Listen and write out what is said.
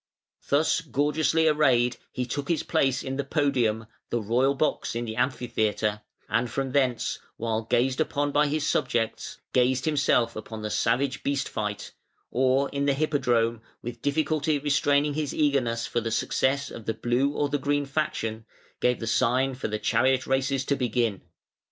Thus gorgeously arrayed he took his place in the podium, the royal box in the Amphitheatre, and from thence, while gazed upon by his subjects, gazed himself upon the savage beast fight, or in the Hippodrome, with difficulty restraining his eagerness for the success of the Blue or the Green faction, gave the sign for the chariot races to begin.